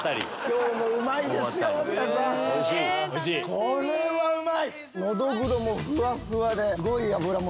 これはうまい！